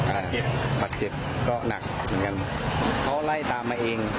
เจ็บบาดเจ็บก็หนักเหมือนกันเขาไล่ตามมาเอง